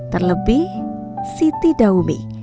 terlebih siti daumi